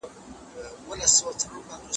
حساسيت د خوړو له بدلون راځي.